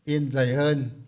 yên dày hơn